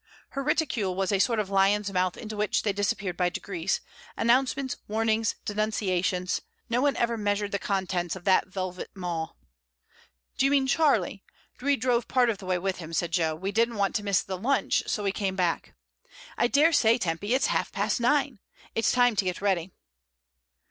Her reticule was a sort of lion's mouth into which they disappeared by degrees — announce ments, warnings, denunciations; no one ever mea sured the contents of that velvet maw. "Do you mean Charlie? We drove part of the way with him," said Jo. "We didn't want to miss the lunch, so we came back. I say, Tempy, it's half past nine. It's time to get ready."